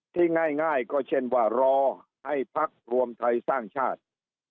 ที่ง่ายก็เช่นว่ารอให้พักรวมไทยสร้างชาติ